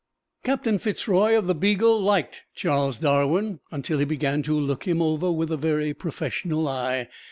Captain Fitz Roy of the "Beagle" liked Charles Darwin until he began to look him over with a very professional eye.